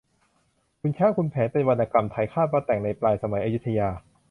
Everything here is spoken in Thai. ขุนช้างขุนแผนเป็นวรรณกรรมไทย คาดว่าแต่งในปลายสมัยอยุธยา